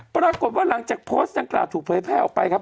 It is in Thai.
ปรากฏว่าหลังจากโพสต์ดังกล่าวถูกเผยแพร่ออกไปครับ